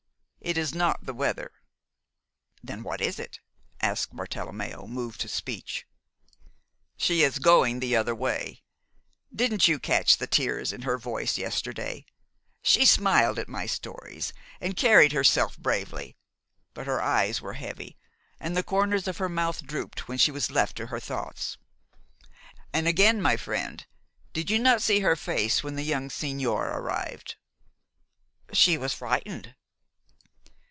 It is not the weather." "Then what is it?" asked Bartelommeo, moved to speech. "She is going the other way. Didn't you catch the tears in her voice yesterday? She smiled at my stories, and carried herself bravely; but her eyes were heavy, and the corners of her mouth drooped when she was left to her thoughts. And again, my friend, did you not see her face when the young sigñor arrived?" "She was frightened."